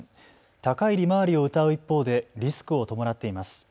高い利回りをうたう一方でリスクを伴っています。